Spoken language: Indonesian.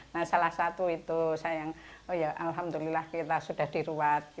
nah salah satu itu saya yang oh ya alhamdulillah kita sudah diruat